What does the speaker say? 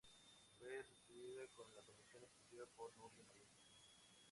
Fue sustituida en la Comisión Ejecutiva por Núria Marín.